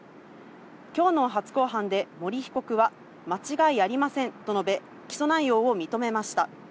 きょうの初公判で森被告は間違いありませんと述べ、起訴内容を認めました。